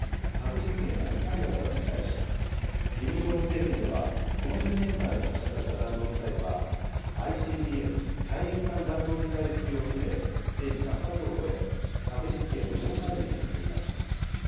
核実験が２回だったのに対し、キム・ジョンウン政権では、この１０年間で発射された弾道ミサイルは、ＩＣＢＭ・大陸間弾道ミサイル級を含め、すでに１００発を超え、核実験も４回に上っています。